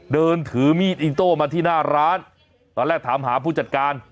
เดินถือมีดอิโต้มาที่หน้าร้านตอนแรกถามหาผู้จัดการ